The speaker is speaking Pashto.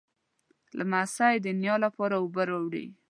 لمسی د نیا لپاره اوبه راوړي.